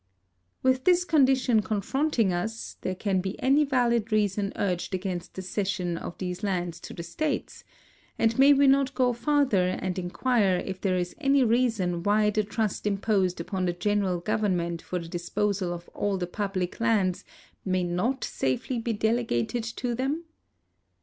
With this condition confronting us, can there be any valid reason urged against the cession of these lands to the states, and may we not go farther and inquire if there is any reason why the trust imposed upon the general government for the disposal of all the public lands may not safely be delegated to them